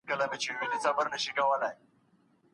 ډېرو ړوندو سړیو په ګڼ ځای کي ږیري نه درلودې.